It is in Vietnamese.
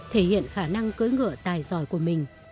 thể hiện khả năng cưới ngựa tài giỏi của mình